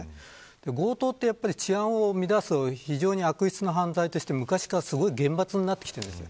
強盗は治安を乱す非常に悪質な犯罪として昔から厳罰になっています。